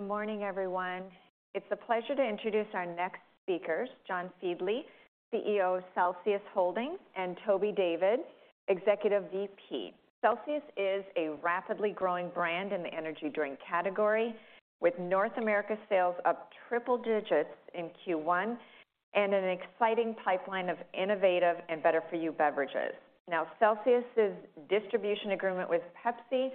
Good morning, everyone. It's a pleasure to introduce our next speakers, John Fieldly, CEO of Celsius Holdings, and Toby David, Executive VP. Celsius is a rapidly growing brand in the energy drink category, with North America sales up triple digits in Q1 and an exciting pipeline of innovative and better-for-you beverages. Celsius's distribution agreement with Pepsi,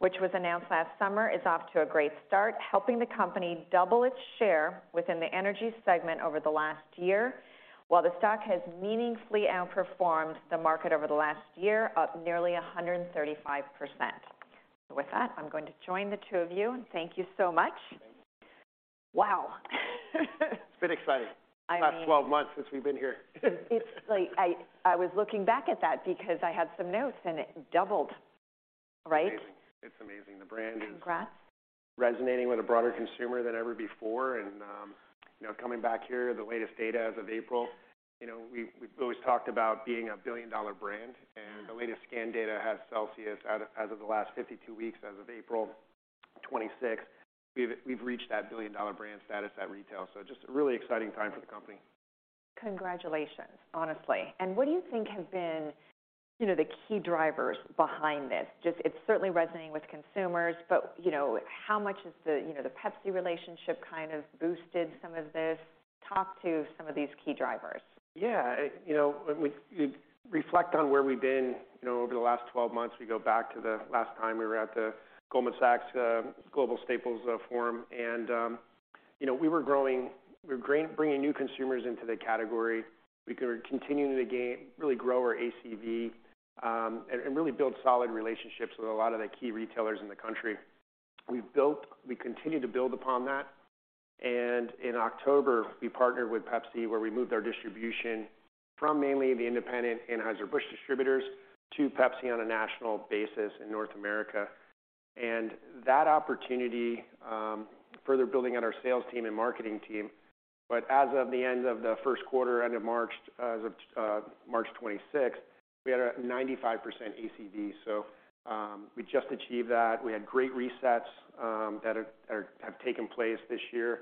which was announced last summer, is off to a great start, helping the company double its share within the energy segment over the last year, while the stock has meaningfully outperformed the market over the last year, up nearly 135%. With that, I'm going to join the two of you, and thank you so much. Wow. It's been exciting. I mean. The last 12 months since we've been here. It's like I was looking back at that because I had some notes, and it doubled, right? It's amazing. It's amazing. The brand. Congrats... resonating with a broader consumer than ever before. You know, coming back here, the latest data as of April, you know, we've always talked about being a billion-dollar brand. Mm-hmm. The latest scan data has Celsius as of the last 52 weeks, as of April 26th, we've reached that billion-dollar brand status at retail, so just a really exciting time for the company. Congratulations, honestly. What do you think have been, you know, the key drivers behind this? It's certainly resonating with consumers, but, you know, how much is the, you know, the Pepsi relationship kind of boosted some of this? Talk to some of these key drivers. Yeah. You know, when we reflect on where we've been, you know, over the last 12 months, we go back to the last time we were at the Goldman Sachs Global Staples Forum. You know, we were growing. We're bringing new consumers into the category. We're continuing to gain, really grow our ACV, and really build solid relationships with a lot of the key retailers in the country. We've built. We continue to build upon that. In October, we partnered with Pepsi, where we moved our distribution from mainly the independent Anheuser-Busch distributors to Pepsi on a national basis in North America. That opportunity further building on our sales team and marketing team. As of the end of the Q1, end of March, as of March 26th, we had a 95% ACV. We just achieved that. We had great resets that have taken place this year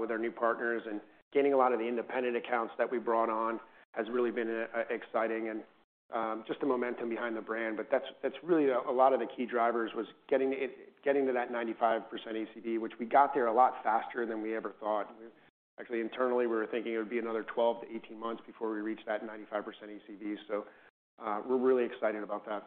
with our new partners. Gaining a lot of the independent accounts that we brought on has really been exciting and just the momentum behind the brand. That's really a lot of the key drivers was getting it, getting to that 95% ACV, which we got there a lot faster than we ever thought. Actually, internally, we were thinking it would be another 12 to 18 months before we reached that 95% ACV. We're really excited about that.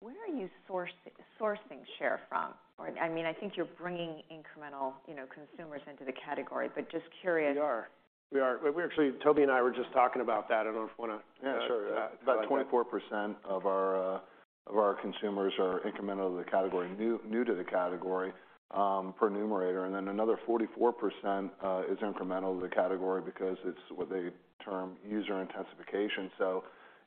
Where are you source-sourcing share from? I mean, I think you're bringing incremental, you know, consumers into the category, but just curious. We are. We actually, Toby and I were just talking about that. I don't know if you want to... Yeah, sure. About 24% of our of our consumers are incremental to the category, new to the category, per Numerator. Then another 44% is incremental to the category because it's what they term user intensification.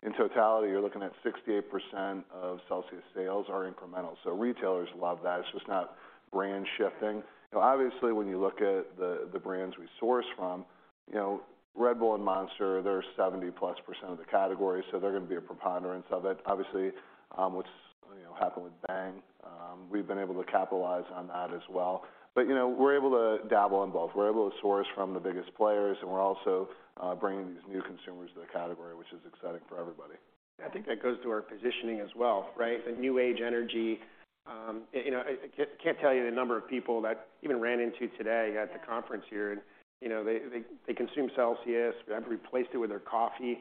In totality, you're looking at 68% of Celsius sales are incremental, retailers love that. It's just not brand shifting. You know, obviously, when you look at the brands we source from, you know, Red Bull and Monster, they're 70-plus% of the category, they're going to be a preponderance of it. Obviously, what's, you know, happened with Bang, we've been able to capitalize on that as well. You know, we're able to dabble in both. We're able to source from the biggest players, we're also bringing these new consumers to the category, which is exciting for everybody. I think that goes to our positioning as well, right? The new age energy. You know, I can't tell you the number of people that even ran into today at the conference here. You know, they consume Celsius. They've replaced it with their coffee,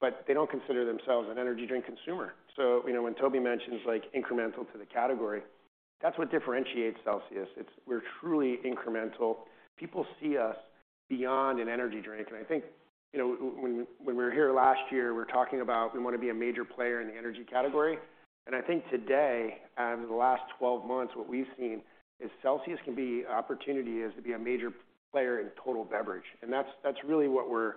but they don't consider themselves an energy drink consumer. You know, when Toby mentions, like, incremental to the category, that's what differentiates Celsius. It's we're truly incremental. People see us beyond an energy drink. I think, you know, when we were here last year, we were talking about we want to be a major player in the energy category. I think today, the last 12 months, what we've seen is opportunity is to be a major player in total beverage, and that's really what we're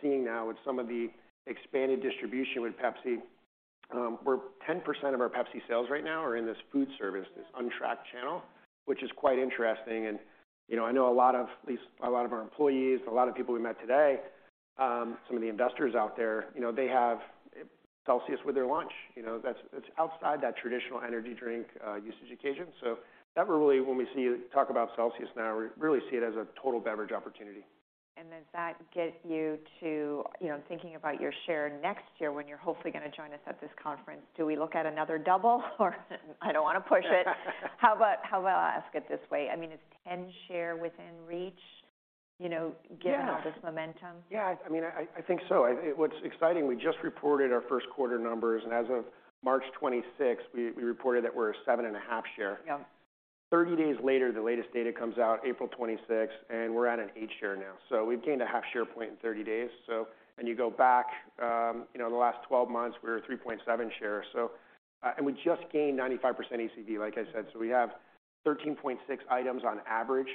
seeing now with some of the expanded distribution with Pepsi. We're 10% of our Pepsi sales right now are in this food service, this untracked channel, which is quite interesting. You know, I know a lot of, at least a lot of our employees, a lot of people we met today, some of the investors out there, you know, they have CELSIUS with their lunch. You know, that's outside that traditional energy drink usage occasion. That really, when we talk about CELSIUS now, we really see it as a total beverage opportunity. Does that get you to, you know, thinking about your share next year when you're hopefully going to join us at this conference. Do we look at another double? I don't want to push it. How about I ask it this way? I mean, is 10 share within reach, you know. Yeah. Given all this momentum? Yeah, I mean, I think so. What's exciting, we just reported our Q1 numbers, and as of March twenty-sixth, we reported that we're a 7.5 share. Yeah. 30 days later, the latest data comes out April 26th, we're at an 8 share now. We've gained a half share point in 30 days. When you go back, you know, the last 12 months, we were 3.7 shares. We just gained 95% ACV, like I said. We have 13.6 items on average,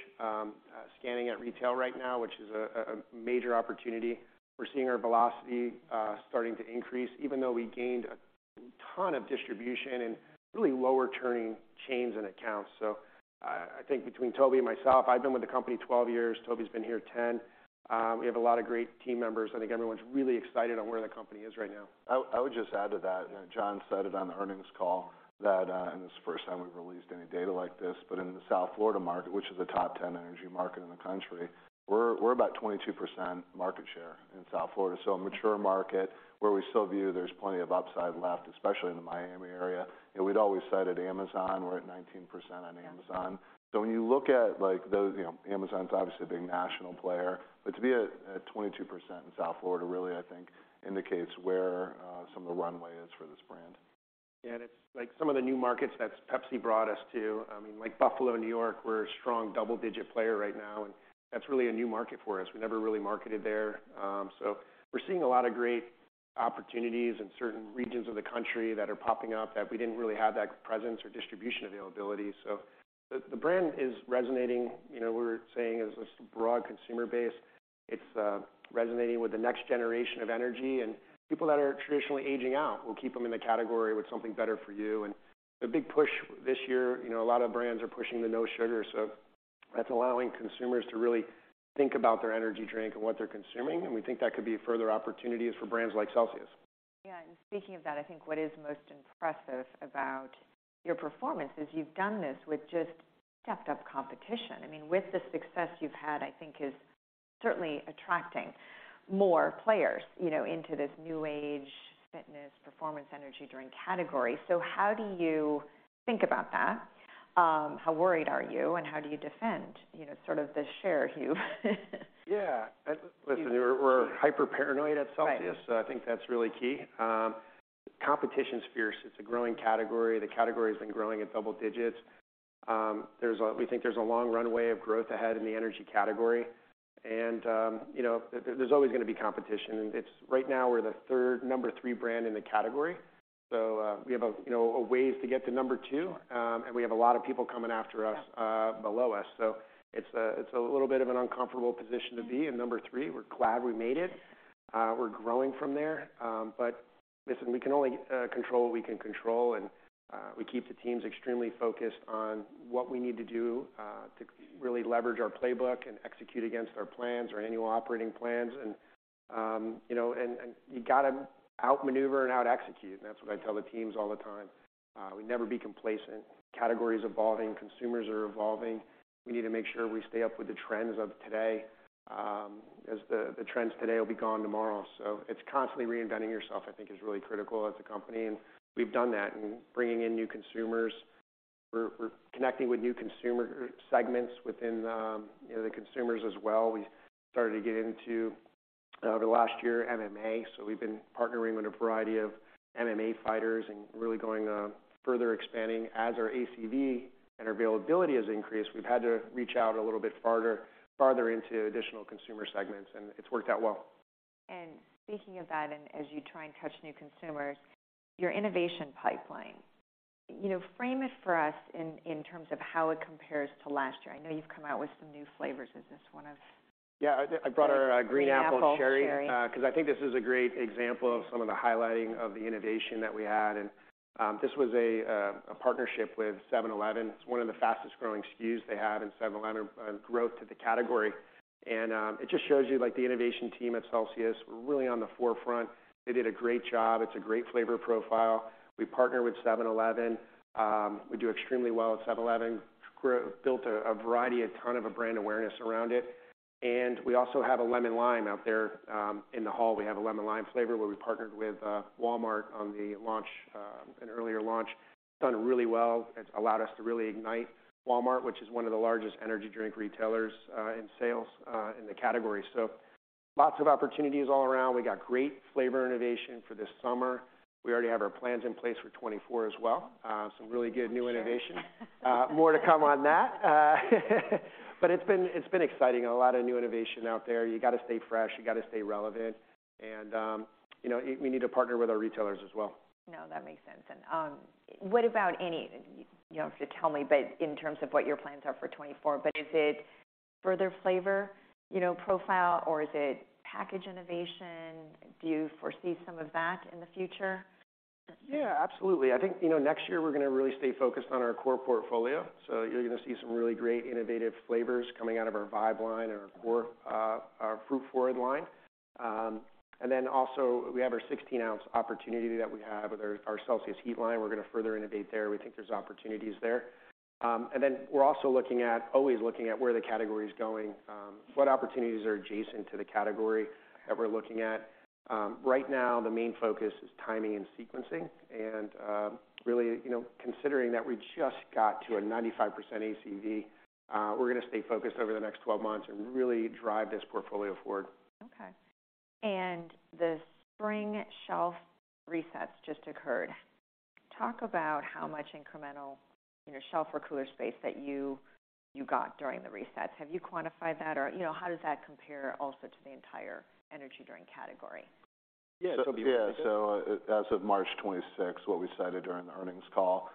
scanning at retail right now, which is a major opportunity. We're seeing our velocity starting to increase. Even though we gained a ton of distribution and really lower turning chains and accounts. I think between Toby and myself, I've been with the company 12 years, Toby's been here 10. We have a lot of great team members. I think everyone's really excited on where the company is right now. I would just add to that, you know, John said it on the earnings call that, and this is the first time we've released any data like this, but in the South Florida market, which is a top 10 energy market in the country, we're about 22% market share in South Florida. A mature market where we still view there's plenty of upside left, especially in the Miami area. You know, we'd always cited Amazon, we're at 19% on Amazon. When you look at like those, you know, Amazon's obviously a big national player, but to be at 22% in South Florida really, I think, indicates where some of the runway is for this brand. It's like some of the new markets that Pepsi brought us to, I mean, like Buffalo, New York, we're a strong double-digit player right now, and that's really a new market for us. We never really marketed there. We're seeing a lot of great opportunities in certain regions of the country that are popping up that we didn't really have that presence or distribution availability. The brand is resonating. You know, we're saying as this broad consumer base, it's resonating with the next generation of energy, and people that are traditionally aging out will keep them in the category with something better for you. The big push this year, you know, a lot of brands are pushing the no sugar, so that's allowing consumers to really think about their energy drink and what they're consuming, and we think that could be further opportunities for brands like Celsius. Yeah. Speaking of that, I think what is most impressive about your performance is you've done this with just stepped-up competition. I mean, with the success you've had, I think is certainly attracting more players, you know, into this new age, fitness, performance, energy drink category. How do you think about that? How worried are you, and how do you defend, you know, sort of the share you've Yeah. Listen, we're hyper-paranoid at Celsius. I think that's really key. Competition's fierce. It's a growing category. The category's been growing at double digits. We think there's a long runway of growth ahead in the energy category. You know, there's always going to be competition. Right now we're the third, number 3 brand in the category. We have a, you know, a ways to get to number 2. We have a lot of people coming after us, below us, so it's a little bit of an uncomfortable position to be in number 3. We're glad we made it. We're growing from there. Listen, we can only control what we can control, and we keep the teams extremely focused on what we need to do to really leverage our playbook and execute against our plans or annual operating plans. You know, and you got to outmaneuver and out execute. That's what I tell the teams all the time. We never be complacent. Category's evolving, consumers are evolving. We need to make sure we stay up with the trends of today, as the trends today will be gone tomorrow. It's constantly reinventing yourself, I think is really critical as a company, and we've done that in bringing in new consumers. We're connecting with new consumer segments within the, you know, the consumers as well. We started to get into, over the last year, MMA. We've been partnering with a variety of MMA fighters and really going further expanding. As our ACV and our availability has increased, we've had to reach out a little bit farther into additional consumer segments. It's worked out well. Speaking of that, as you try and touch new consumers, your innovation pipeline, you know, frame it for us in terms of how it compares to last year. I know you've come out with some new flavors. Is this. Yeah. I brought our, The Green Apple Cherry. Green Apple Cherry, 'cause I think this is a great example of some of the highlighting of the innovation that we had. This was a partnership with 7-Eleven. It's one of the fastest growing SKUs they have in 7-Eleven, growth to the category. It just shows you, like the innovation team at Celsius, we're really on the forefront. They did a great job. It's a great flavor profile. We partner with 7-Eleven. We do extremely well at 7-Eleven. Built a variety, a ton of brand awareness around it. We also have a Lemon Lime out there, in the hall. We have a Lemon Lime flavor where we partnered with Walmart on the launch, an earlier launch. It's done really well. It's allowed us to really ignite Walmart, which is one of the largest energy drink retailers, in sales, in the category. Lots of opportunities all around. We got great flavor innovation for this summer. We already have our plans in place for 2024 as well. Some really good new innovations. More to come on that. It's been exciting and a lot of new innovation out there. You got to stay fresh, you got to stay relevant, and, you know, we need to partner with our retailers as well. No, that makes sense. You don't have to tell me, but in terms of what your plans are for 2024, but is it further flavor, you know, profile or is it package innovation? Do you foresee some of that in the future? Yeah, absolutely. I think, you know, next year we're going to really stay focused on our core portfolio. You're going to see some really great innovative flavors coming out of our Vibe line and our core fruit-forward line. Also we have our 16 ounce opportunity that we have with our CELSIUS HEAT line. We're going to further innovate there. We think there's opportunities there. We're also looking at, always looking at where the category's going, what opportunities are adjacent to the category that we're looking at. Right now the main focus is timing and sequencing and, really, you know, considering that we just got to a 95% ACV, we're going to stay focused over the next 12 months and really drive this portfolio forward. Okay. The spring shelf resets just occurred. Talk about how much incremental, you know, shelf or cooler space that you got during the resets. Have you quantified that or, you know, how does that compare also to the entire energy drink category? As of March 26, what we cited during the earnings call,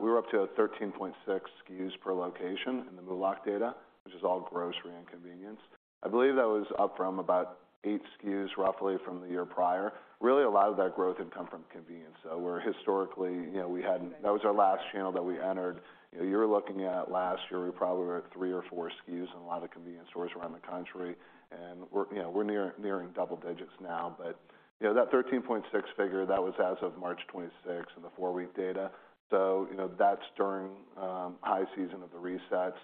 we were up to 13.6 SKUs per location in the MULO data, which is all grocery and convenience. I believe that was up from about eight SKUs roughly from the year prior. Really a lot of that growth had come from convenience. We're historically, you know, That was our last channel that we entered. You know, you're looking at last year, we probably were at three or four SKUs in a lot of convenience stores around the country, and we're, you know, we're nearing double digits now. You know, that 13.6 figure, that was as of March 26 in the 4-week data. You know, that's during high season of the reset.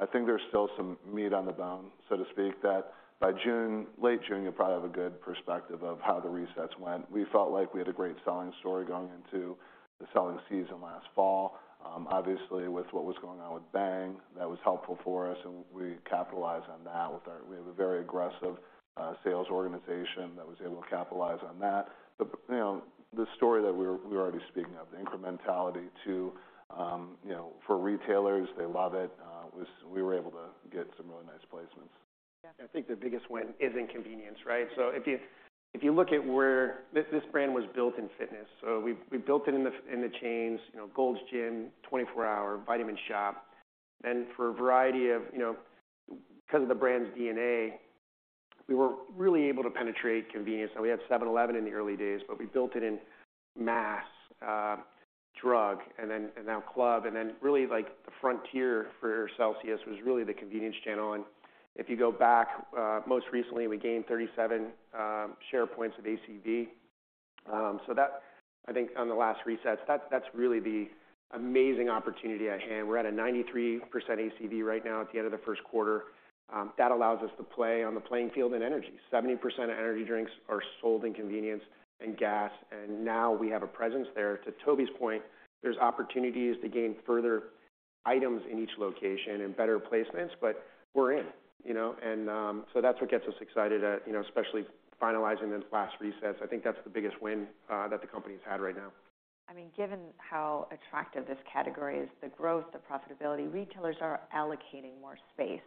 I think there's still some meat on the bone, so to speak, that by June, late June, you'll probably have a good perspective of how the resets went. We felt like we had a great selling story going into the selling season last fall. Obviously, with what was going on with Bang, that was helpful for us, and we capitalized on that with our very aggressive sales organization that was able to capitalize on that. You know, the story that we're already speaking of, the incrementality to, you know, for retailers, they love it, was we were able to get some really nice placements. Yeah. I think the biggest win is inconvenience, right? If you look at where this brand was built in fitness. We built it in the chains, you know, Gold's Gym, 24 Hour, Vitamin Shoppe. For a variety of, you know, because of the brand's DNA, we weren't really able to penetrate convenience. We had 7-Eleven in the early days, but we built it in mass, drug and now club, and then really like the frontier for Celsius was really the convenience channel. If you go back, most recently, we gained 37 share points with ACV. That I think on the last resets, that's really the amazing opportunity at hand. We're at a 93% ACV right now at the end of the Q1. That allows us to play on the playing field in energy. 70% of energy drinks are sold in convenience and gas. Now we have a presence there. To Toby's point, there's opportunities to gain further items in each location and better placements. We're in, you know. That's what gets us excited, you know, especially finalizing those last resets. I think that's the biggest win that the company's had right now. I mean, given how attractive this category is, the growth, the profitability, retailers are allocating more space.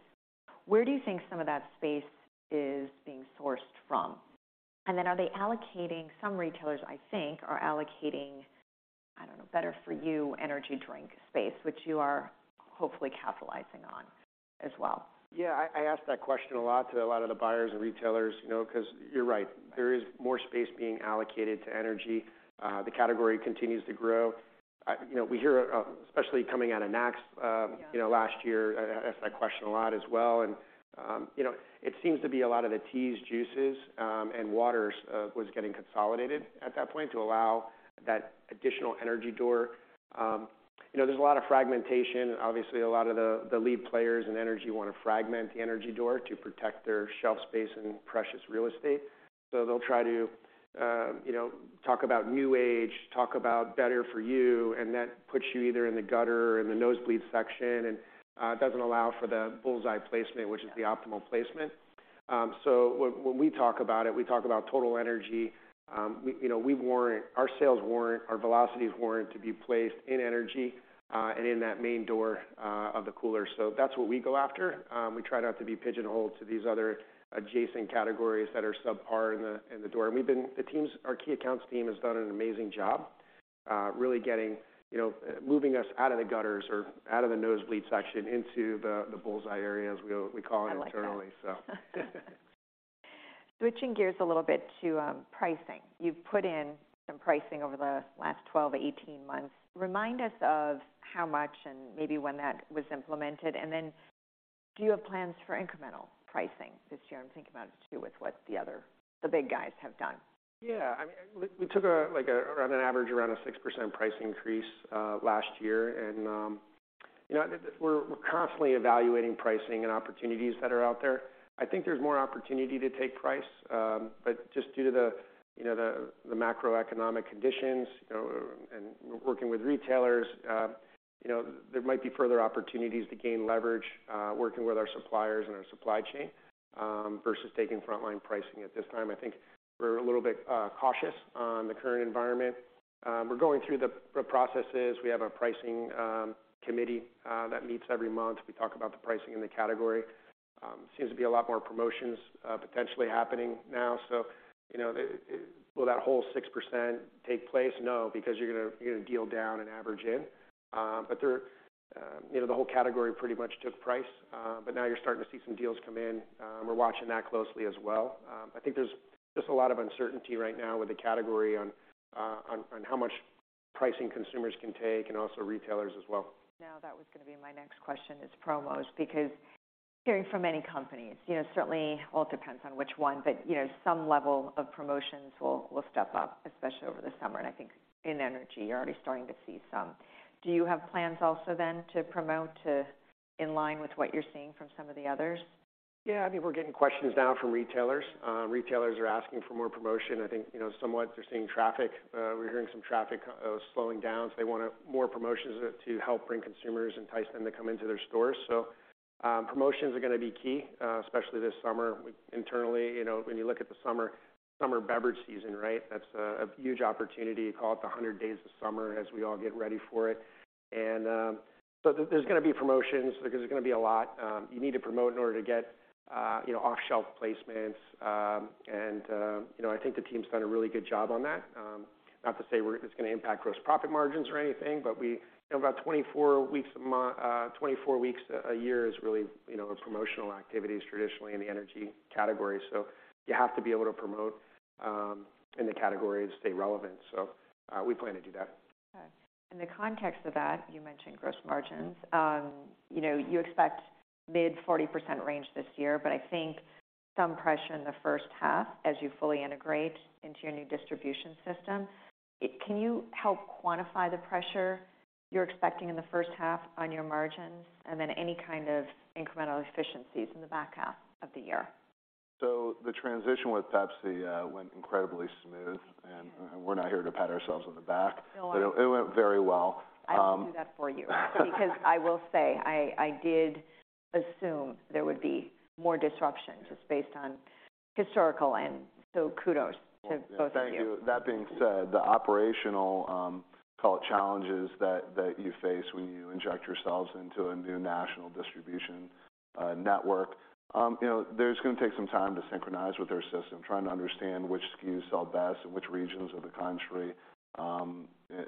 Where do you think some of that space is being sourced from? Are they allocating... Some retailers, I think, are allocating, I don't know, better for you energy drink space, which you are hopefully capitalizing on as well? Yeah. I ask that question a lot to a lot of the buyers and retailers, you know, because you're right. There is more space being allocated to energy. The category continues to grow. You know, we hear, especially coming out of NACS, you know, last year, I asked that question a lot as well. You know, it seems to be a lot of the teas, juices, and waters was getting consolidated at that point to allow that additional energy door. You know, there's a lot of fragmentation. Obviously, a lot of the lead players in energy want to fragment the energy door to protect their shelf space and precious real estate. They'll try to, you know, talk about new age, talk about better for you, and that puts you either in the gutter, in the nosebleed section, and it doesn't allow for the bull's-eye placement, which is the optimal placement. When we talk about it, we talk about total energy. We, you know, we warrant, our sales warrant, our velocities warrant to be placed in energy, and in that main door of the cooler. That's what we go after. We try not to be pigeonholed to these other adjacent categories that are subpar in the door. The teams, our key accounts team has done an amazing job, really getting, you know, moving us out of the gutters or out of the nosebleed section into the bull's-eye area, as we call it internally, so. I like that. Switching gears a little bit to pricing. You've put in some pricing over the last 12 to 18 months. Remind us of how much and maybe when that was implemented. Do you have plans for incremental pricing this year? I'm thinking about it too, with what the other, the big guys have done. Yeah. I mean, we took a like around an average, around a 6% price increase last year. You know, we're constantly evaluating pricing and opportunities that are out there. I think there's more opportunity to take price, but just due to the, you know, the macroeconomic conditions, you know, and working with retailers, you know, there might be further opportunities to gain leverage working with our suppliers and our supply chain versus taking frontline pricing at this time. I think we're a little bit cautious on the current environment. We're going through the processes. We have a pricing committee that meets every month. We talk about the pricing in the category. Seems to be a lot more promotions potentially happening now. You know, will that whole 6% take place? No, because you're going to deal down and average in. They're, you know, the whole category pretty much took price, but now you're starting to see some deals come in. We're watching that closely as well. I think there's just a lot of uncertainty right now with the category on how much pricing consumers can take and also retailers as well. That was going to be my next question, is promos, because hearing from many companies, you know, certainly all depends on which one, but you know, some level of promotions will step up, especially over the summer, and I think in energy you're already starting to see some. Do you have plans also then to promote to... in line with what you're seeing from some of the others? I mean, we're getting questions now from retailers. Retailers are asking for more promotion. I think, you know, somewhat they're seeing traffic. We're hearing some traffic slowing down, so they want more promotions to help bring consumers, entice them to come into their stores. Promotions are going to be key, especially this summer. Internally, you know, when you look at the summer beverage season, right? That's a huge opportunity. Call it the 100 days of summer as we all get ready for it. There's going to be promotions. There's going to be a lot. You need to promote in order to get, you know, off-shelf placements, and, you know, I think the team's done a really good job on that. Not to say it's going to impact gross profit margins or anything, but we... You know, about 24 weeks, 24 weeks a year is really, you know, promotional activities traditionally in the energy category. You have to be able to promote in the category to stay relevant. We plan to do that. Okay. In the context of that, you mentioned gross margins. you know, you expect mid 40% range this year, but I think some pressure in the H1 as you fully integrate into your new distribution system. Can you help quantify the pressure you're expecting in the H1 on your margins and then any kind of incremental efficiencies in the back half of the year? The transition with Pepsi went incredibly smooth. We're not here to pat ourselves on the back. No. It, it went very well. I will do that for you. I will say, I did assume there would be more disruptions just based on historical. Kudos to both of you. Well, thank you. That being said, the operational, call it challenges that you face when you inject yourselves into a new national distribution network, you know, there's going to take some time to synchronize with their system, trying to understand which SKUs sell best in which regions of the country.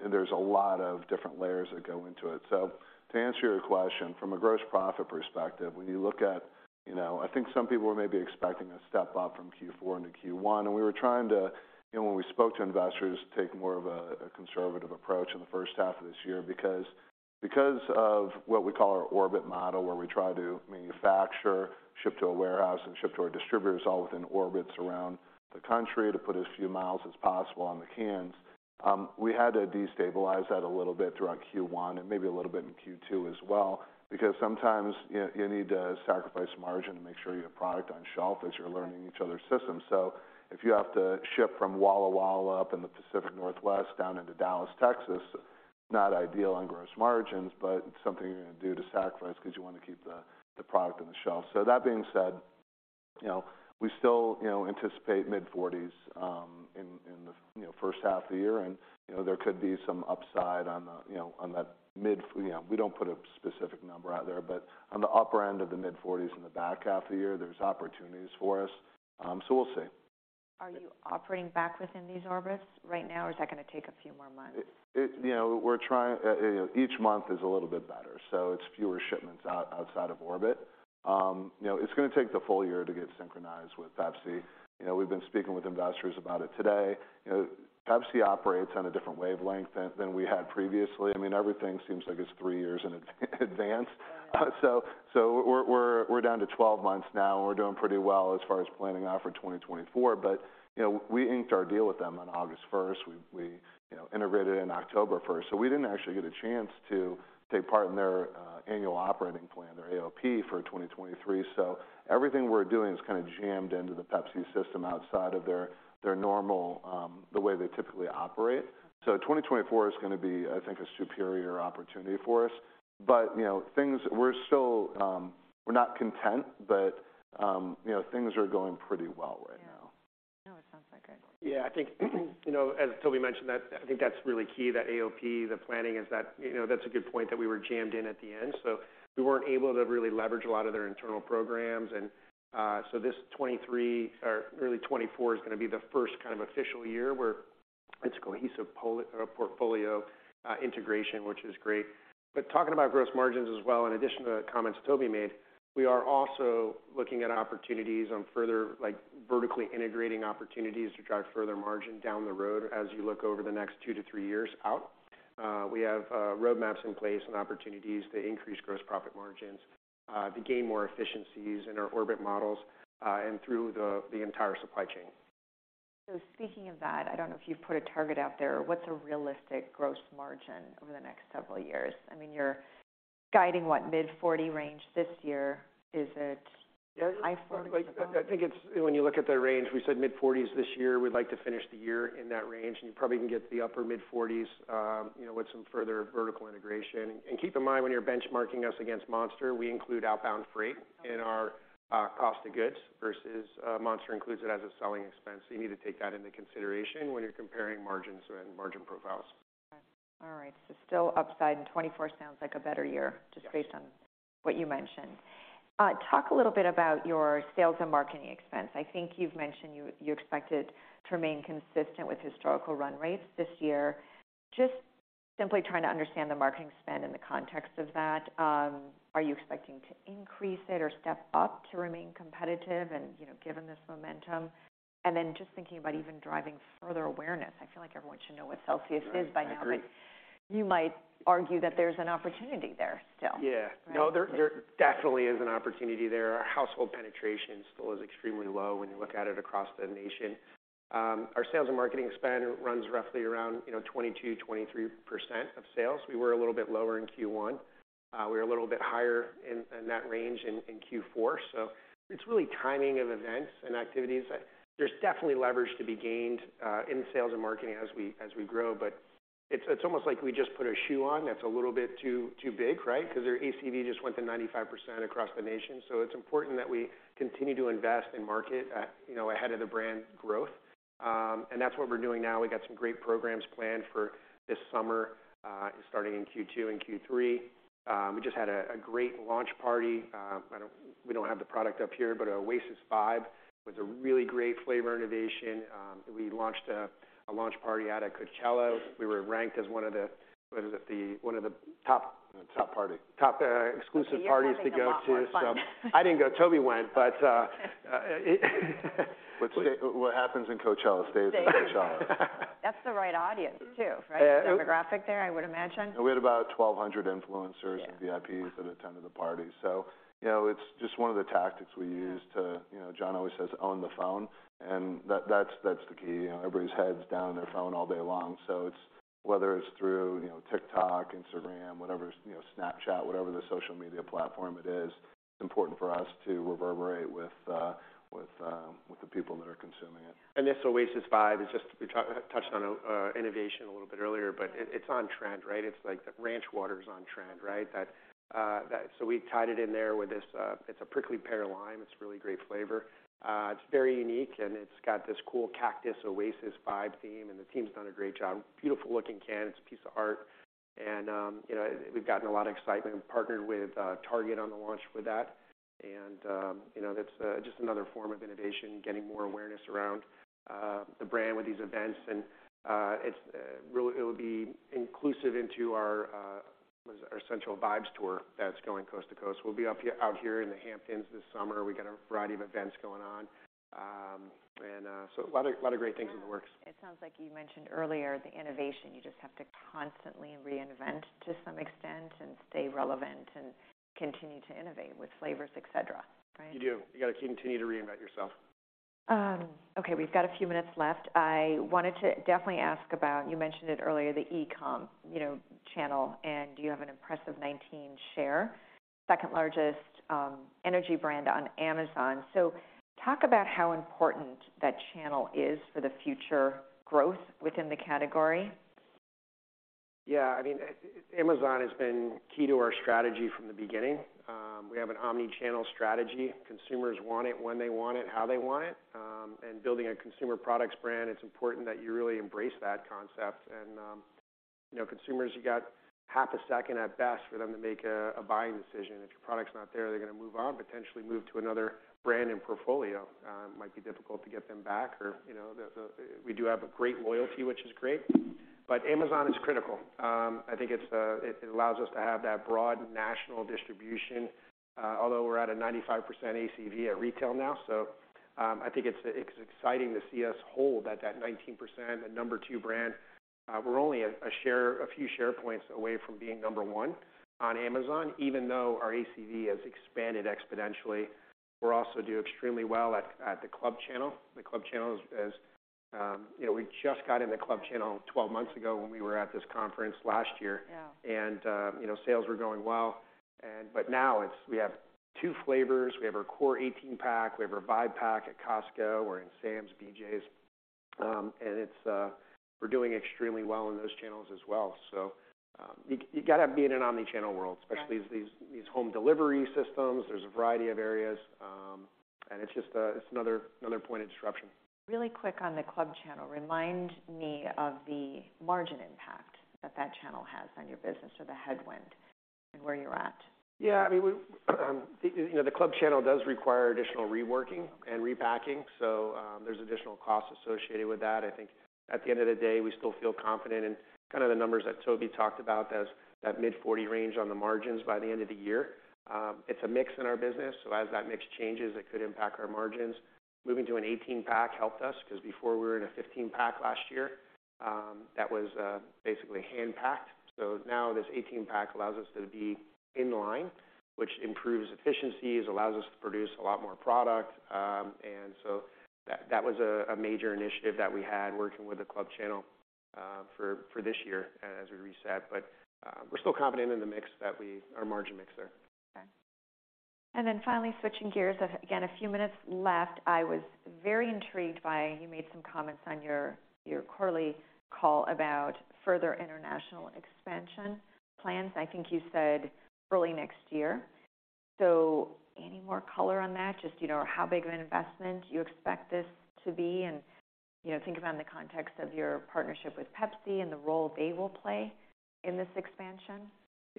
There's a lot of different layers that go into it. To answer your question, from a gross profit perspective, when you look at, you know, I think some people were maybe expecting a step up from Q4 into Q1, and we were trying to, you know, when we spoke to investors, take more of a conservative approach in the H1 of this year because of what we call our orbit model, where we try to manufacture, ship to a warehouse, and ship to our distributors all within orbits around the country to put as few miles as possible on the cans, we had to destabilize that a little bit throughout Q1 and maybe a little bit in Q2 as well, because sometimes you need to sacrifice margin to make sure you have product on shelf as you're learning each other's systems. If you have to ship from Walla Walla up in the Pacific Northwest down into Dallas, Texas, not ideal on gross margins, but something you're going to do to sacrifice because you want to keep the product on the shelf. That being said, you know, we still, you know, anticipate mid-40s in the, you know, H1 of the year and, you know, there could be some upside on the, on that. We don't put a specific number out there, but on the upper end of the mid-40s in the back half of the year, there's opportunities for us. We'll see. Are you operating back within these orbits right now, or is that going to take a few more months? It, you know, we're trying... You know, each month is a little bit better, so it's fewer shipments outside of orbit. You know, it's going to take the full year to get synchronized with Pepsi. You know, we've been speaking with investors about it today. You know, Pepsi operates on a different wavelength than we had previously. I mean, everything seems like it's three years in advance. Yeah. We're down to 12 months now, and we're doing pretty well as far as planning out for 2024. You know, we inked our deal with them on August 1st. We, you know, integrated in October 1st. We didn't actually get a chance to take part in their annual operating plan, their AOP, for 2023. Everything we're doing is kind of jammed into the Pepsi system outside of their normal, the way they typically operate. 2024 is going to be, I think, a superior opportunity for us. You know, things. We're still, we're not content, but, you know, things are going pretty well right now. Yeah. No, it sounds like it. Yeah. I think, you know, as Toby mentioned, that's really key, that AOP, the planning is that. You know, that's a good point that we were jammed in at the end, we weren't able to really leverage a lot of their internal programs. This 2023 or early 2024 is going to be the first kind of official year where it's a cohesive portfolio integration, which is great. Talking about gross margins as well, in addition to the comments Toby made, we are also looking at opportunities on further, like, vertically integrating opportunities to drive further margin down the road as you look over the next two to three years out. We have roadmaps in place and opportunities to increase gross profit margins to gain more efficiencies in our orbit models and through the entire supply chain. Speaking of that, I don't know if you've put a target out there. What's a realistic gross margin over the next several years? I mean, you're guiding what mid-40% range this year. Is it high 40s% at best? Yeah. Like, I think it's When you look at the range, we said mid-40s% this year. We'd like to finish the year in that range. You probably can get to the upper mid-40s%, you know, with some further vertical integration. Keep in mind when you're benchmarking us against Monster, we include outbound freight. In our cost of goods versus Monster includes it as a selling expense. You need to take that into consideration when you're comparing margins and margin profiles. Okay. All right. still upside in 2024 sounds like a better year. Just based on what you mentioned. Talk a little bit about your sales and marketing expense. I think you've mentioned you expect it to remain consistent with historical run rates this year. Just simply trying to understand the marketing spend in the context of that. Are you expecting to increase it or step up to remain competitive and, you know, given this momentum? Then just thinking about even driving further awareness. I feel like everyone should know what CELSIUS is by now. Right. I agree. You might argue that there's an opportunity there still. Yeah. Right? No, there definitely is an opportunity there. Our household penetration still is extremely low when you look at it across the nation. Our sales and marketing spend runs roughly around, you know, 22%-23% of sales. We were a little bit lower in Q1. We're a little bit higher in that range in Q4. It's really timing of events and activities. There's definitely leverage to be gained in sales and marketing as we grow, but it's almost like we just put a shoe on that's a little bit too big, right? Our ACV just went to 95% across the nation. It's important that we continue to invest in market, you know, ahead of the brand growth. That's what we're doing now. We've got some great programs planned for this summer, starting in Q2 and Q3. We just had a great launch party. We don't have the product up here, but Oasis Vibe was a really great flavor innovation. We launched a launch party out at Coachella. We were ranked as one of the, what is it? one of the top- Top party. Top, exclusive parties to go to. Okay. You're having a lot more fun. I didn't go. Toby went, but. What happens in Coachella stays in Coachella. Stays. That's the right audience too, right? Uh- Demographic there, I would imagine. We had about 1,200 influencers. Yeah... and VIPs that attended the party. You know, it's just one of the tactics we use to, you know, John always says, "Own the phone." That's the key. You know, everybody's head's down on their phone all day long. It's, whether it's through, you know, TikTok, Instagram, whatever's, you know, Snapchat, whatever the social media platform it is, important for us to reverberate with, with the people that are consuming it. This Oasis Vibe is just, we touched on innovation a little bit earlier, but it's on trend, right? It's like ranch water is on trend, right? We tied it in there with this, it's a Prickly Pear Lime. It's a really great flavor. It's very unique, and it's got this cool cactus oasis vibe theme, and the team's done a great job. Beautiful looking can. It's a piece of art. You know, we've gotten a lot of excitement and partnered with Target on the launch for that. You know, that's just another form of innovation, getting more awareness around the brand with these events. It's really it'll be inclusive into our, what is it? Our Essential Vibe tour that's going coast to coast. We'll be up here, out here in the Hamptons this summer. We got a variety of events going on. A lot of great things in the works. It sounds like you mentioned earlier the innovation, you just have to constantly reinvent to some extent and stay relevant and continue to innovate with flavors, et cetera, right? You do. You got to continue to reinvent yourself. Okay, we've got a few minutes left. I wanted to definitely ask about, you mentioned it earlier, the e-com, you know, channel, and you have an impressive 19 share, second largest, energy brand on Amazon. Talk about how important that channel is for the future growth within the category. Yeah. I mean, Amazon has been key to our strategy from the beginning. We have an omni-channel strategy. Consumers want it when they want it, how they want it. Building a consumer products brand, it's important that you really embrace that concept. You know, consumers, you got half a second at best for them to make a buying decision. If your product's not there, they're going to move on, potentially move to another brand and portfolio. It might be difficult to get them back or, you know, the... We do have a great loyalty, which is great, but Amazon is critical. I think it's, it allows us to have that broad national distribution, although we're at a 95% ACV at retail now. I think it's exciting to see us hold at that 19%, the number two brand. We're only a few share points away from being number one on Amazon, even though our ACV has expanded exponentially. We also do extremely well at the club channel. The club channel is, you know, we just got in the club channel 12 months ago when we were at this conference last year. Yeah. You know, sales were going well and, but now we have two flavors. We have our core 18-pack, we have our 5-pack at Costco, we're in Sam's, BJ's. We're doing extremely well in those channels as well. You got to be in an omni-channel world. Yeah... especially these home delivery systems. There's a variety of areas, and it's just another point of disruption. Really quick on the club channel, remind me of the margin impact that that channel has on your business or the headwind and where you're at? Yeah, I mean, we, you know, the club channel does require additional reworking and repacking, so there's additional costs associated with that. I think at the end of the day, we still feel confident in kind of the numbers that Toby talked about, those, that mid-40 range on the margins by the end of the year. It's a mix in our business, as that mix changes, it could impact our margins. Moving to an 18-pack helped us, 'cause before we were in a 15-pack last year, that was basically hand-packed. Now this 18-pack allows us to be in line, which improves efficiencies, allows us to produce a lot more product. That was a major initiative that we had working with the club channel for this year as we reset. We're still confident in the mix that our margin mix there. Okay. Finally, switching gears, again, a few minutes left, I was very intrigued by, you made some comments on your quarterly call about further international expansion plans. I think you said early next year. Any more color on that? Just, you know, how big of an investment do you expect this to be? You know, think about in the context of your partnership with Pepsi and the role they will play in this expansion.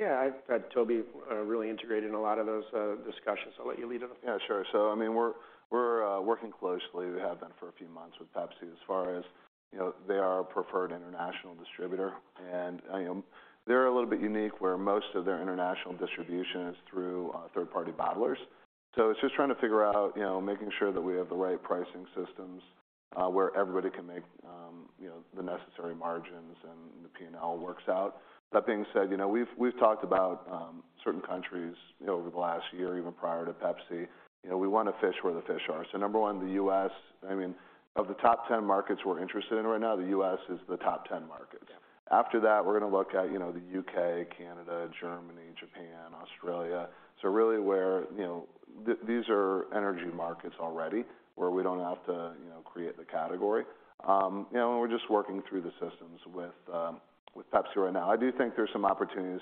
I've had Toby really integrated in a lot of those discussions. I'll let you lead on that. Yeah, sure. I mean, we're working closely, we have been for a few months, with Pepsi as far as, you know, they are a preferred international distributor. They're a little bit unique, where most of their international distribution is through third-party bottlers. It's just trying to figure out, you know, making sure that we have the right pricing systems, where everybody can make, you know, the necessary margins and the P&L works out. That being said, you know, we've talked about certain countries, you know, over the last year, even prior to Pepsi. You know, we want to fish where the fish are. Number 1, the U.S., I mean, of the top 10 markets we're interested in right now, the U.S. is the top 10 market. After that, we're going to look at, you know, the U.K., Canada, Germany, Japan, Australia. Really where, you know, these are energy markets already, where we don't have to, you know, create the category. you know, and we're just working through the systems with Pepsi right now. I do think there's some opportunities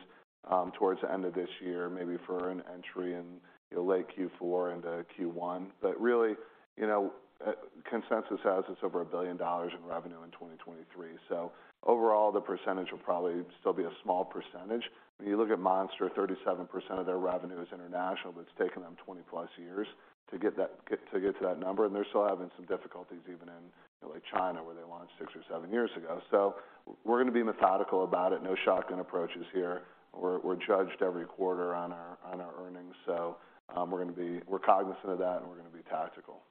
towards the end of this year, maybe for an entry in late Q4 into Q1. Really, you know, consensus has it's over $1 billion in revenue in 2023. Overall, the percentage will probably still be a small percentage. When you look at Monster, 37% of their revenue is international, but it's taken them 20+ years to get that, to get to that number, and they're still having some difficulties even in, you know, like China, where they launched 6 or 7 years ago. We're going to be methodical about it. No shotgun approaches here. We're judged every quarter on our earnings. We're cognizant of that, and we're going to be tactical.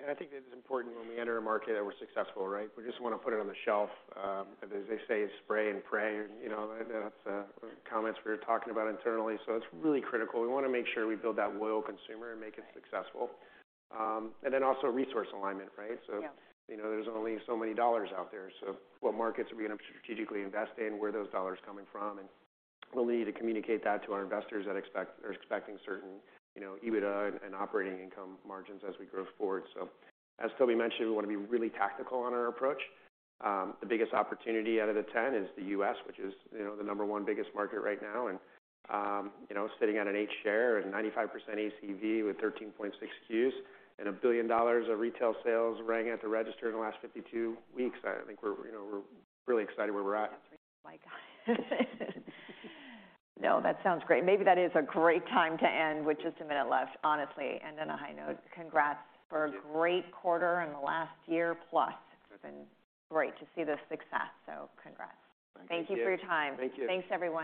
Yeah. I think it's important when we enter a market that we're successful, right? We just want to put it on the shelf. As they say, "Spray and pray," you know, that's comments we were talking about internally. It's really critical. We want to make sure we build that loyal consumer and make it successful. Also resource alignment, right? Yeah. You know, there's only so many dollars out there, so what markets are we going to strategically invest in, where are those dollars coming from? We'll need to communicate that to our investors that are expecting certain, you know, EBITDA and operating income margins as we grow forward. As Toby mentioned, we want to be really tactical in our approach. The biggest opportunity out of the 10 is the U.S., which is, you know, the number one biggest market right now. You know, sitting on an eight share and 95% ACV with 13.6 SKUs and $1 billion of retail sales ringing at the register in the last 52 weeks, I think we're, you know, we're really excited where we're at. Yes. My God. No, that sounds great. Maybe that is a great time to end with just a minute left, honestly, end on a high note. Congrats for a great quarter and the last year plus. Thank you. It's been great to see the success, so congrats. Thank you. Thank you for your time. Thank you. Thanks, everyone.